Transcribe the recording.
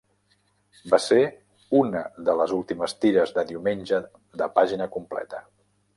Va ser una de les últimes tires de diumenge de pàgina completa.